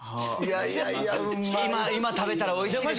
今食べたらおいしいですよ。